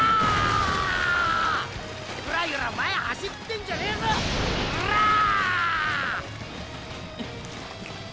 ユラユラ前走ってんじゃねえぞオラッ！